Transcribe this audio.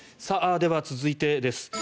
では続いてです。